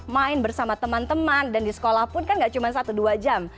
main bersama teman teman dan di sekolah pun kan gak cuma satu dua jam